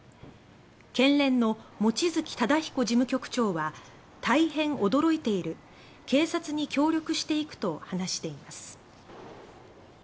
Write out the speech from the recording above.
県連の望月忠彦事務局長は「大変驚いている警察に協力していく」と話しています。